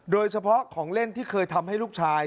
โดยเฉพาะของเล่นที่เคยทำให้ลูกชาย